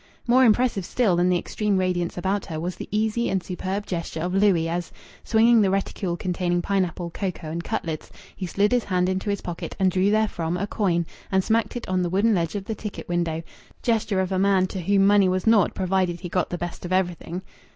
More impressive still than the extreme radiance about her was the easy and superb gesture of Louis as, swinging the reticule containing pineapple, cocoa, and cutlets, he slid his hand into his pocket and drew therefrom a coin and smacked it on the wooden ledge of the ticket window gesture of a man to whom money was naught provided he got the best of everything.